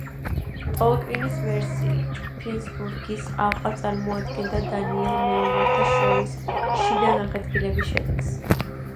ტოლკინის ვერსიით, ფინსბურგის ალყა წარმოადგენდა დანიელ მეომართა შორის შიდა განხეთქილების შედეგს.